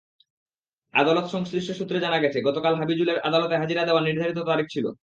আদালত-সংশ্লিষ্ট সূত্রে জানা গেছে, গতকাল হাবিজুলের আদালতে হাজিরা দেওয়ার নির্ধারিত তারিখ ছিল।